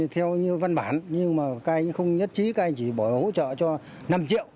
theo như văn bản nhưng mà các anh không nhất trí các anh chỉ bổ hỗ trợ cho năm triệu